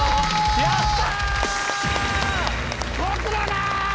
やった！